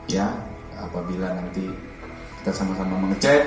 ya apabila nanti kita sama sama mengecek